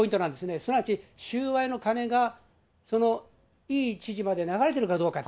すなわち収賄の金が、イ知事まで流れてるかどうかって。